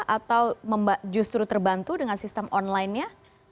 atau justru terbantu dengan sistem online nya